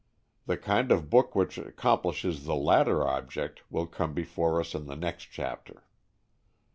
The kind of book which accomplishes the latter object will come before us in the next chapter.